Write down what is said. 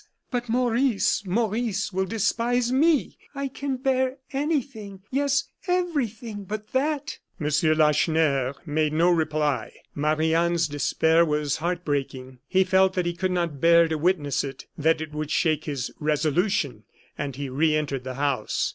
"But Maurice! Maurice will despise me! I can bear anything, yes, everything but that." M. Lacheneur made no reply. Marie Anne's despair was heart breaking; he felt that he could not bear to witness it, that it would shake his resolution, and he re entered the house.